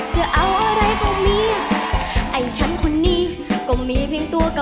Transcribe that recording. ใจรองได้ช่วยกันรองด้วยนะคะ